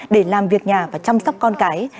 để làm việc nhà và chăm sóc con cái